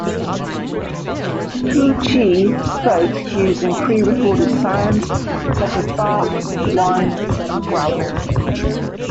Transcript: Poo-Chi spoke using prerecorded sounds such as barks, whines, and growls.